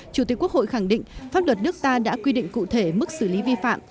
chủ tịch quốc hội khẳng định pháp luật nước ta đã quy định cụ thể mức xử lý vi phạm